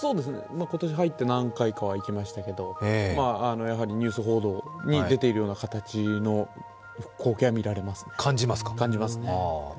今年入って何回かは行きましたけど、やはりニュース報道に出ているような形の光景は見られますね、感じますね。